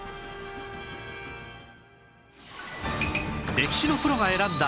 歴史のプロが選んだ！